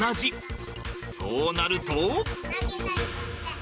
そうなると。